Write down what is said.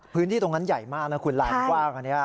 พื้นที่ตรงนั้นใหญ่มากนะคุณลานกว้างอันนี้